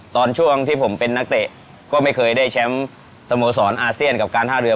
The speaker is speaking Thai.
ตอนช่วงที่ผมเป็นนักเตะก็ไม่เคยได้แชมป์สโมสรอาเซียนกับการท่าเรือ